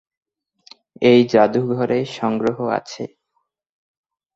এই জাদুঘরে সংগ্রহ আছে-